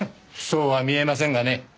そうは見えませんがね。